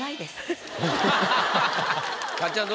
かっちゃん